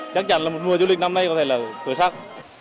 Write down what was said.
chắc chắn là một mùa du lịch năm nay có thể là khởi sắc